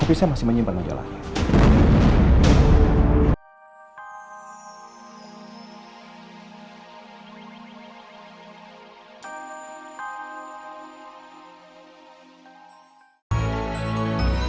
tapi saya masih menyimpan majalah